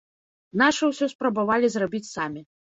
Нашы ўсё спрабавалі зрабіць самі.